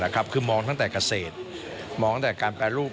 คือมองตั้งแต่เกษตรมองตั้งแต่การแปรรูป